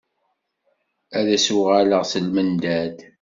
Ad as-uɣalaɣ s lmendad.